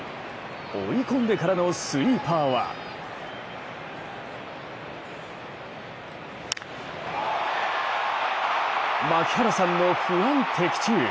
追い込んでからのスイーパーは槙原さんの不安的中。